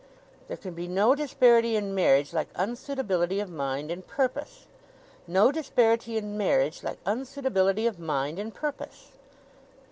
'There can be no disparity in marriage like unsuitability of mind and purpose' 'no disparity in marriage like unsuitability of mind and purpose.